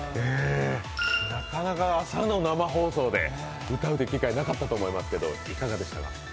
なかなか朝の生放送で歌う機会なかったと思いますけど、いかがでしたか？